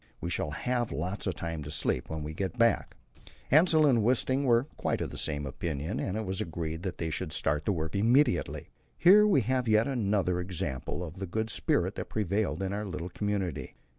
We shall have lots of time to sleep when we get back." Hassel and Wisting were quite of the same opinion, and it was agreed that they should start the work immediately. Here we have yet another example of the good spirit that prevailed in our little community.